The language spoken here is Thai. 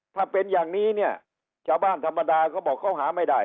ถ้าเป็นอย่างนี้เนี่ยชาวบ้านธรรมดาเขาบอกเขาหาไม่ได้